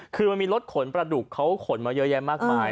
คือมันมีรถขนประดุกเขาขนมาเยอะแยะมากมาย